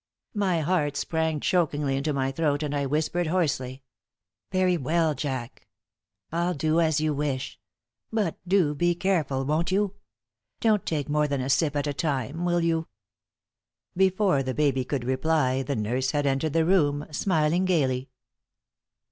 My heart sprang chokingly into my throat, and I whispered, hoarsely: "Very well, Jack. I'll do as you wish. But do be careful, won't you? Don't take more than a sip at a time, will you?" Before the baby could reply, the nurse had entered the room, smiling gaily.